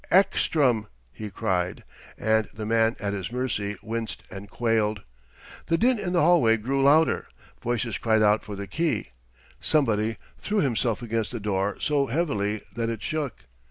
"Ekstrom!" he cried; and the man at his mercy winced and quailed. The din in the hallway grew louder. Voices cried out for the key. Somebody threw himself against the door so heavily that it shook.